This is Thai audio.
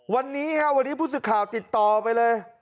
วันนี้ครับวันนี้ผู้สื่อข่าวติดต่อไปเลย